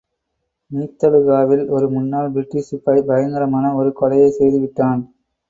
மீத்தலுகாவில் ஒரு முன்னாள் பிரிட்டிஷ் சிப்பாய் பயங்கரமான ஒரு கொலையைச் செய்து விட்டான்.